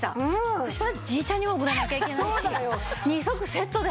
そしたらじいちゃんにも贈らなきゃいけないし２足セットで！